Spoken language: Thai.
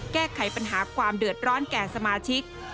แก้ไขปัญหาความเดือดร้อนแก่สมาชิก